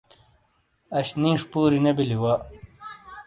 اش نیش پوری نے بلی وا